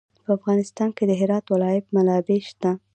په افغانستان کې د هرات ولایت منابع شته.